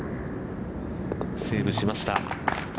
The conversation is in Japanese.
セーブしました。